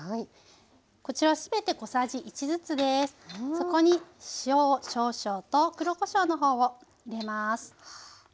そこに塩を少々と黒こしょうの方を入れます。